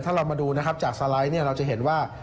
ถ้าเรามาดูจากสไลด์เราจะเห็นว่า